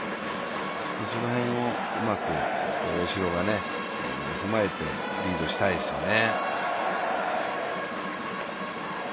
その辺をうまく大城が踏まえてリードしたいですよね。